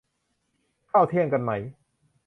ข้าวเที่ยงกันไหม